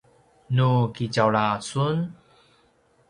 nu kitjaula sun